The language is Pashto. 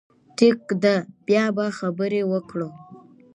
ټيک ده، بيا به خبرې وکړو